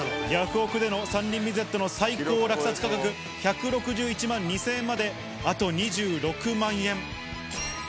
ヤフオクでの三輪ミゼットの最高落札価格、１６１万２０００円まで、あと２６万円。